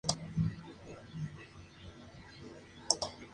Ya en el ámbito público la carrera continúa siendo de un año de duración.